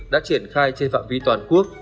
đã triển khai trên phạm vi toàn quốc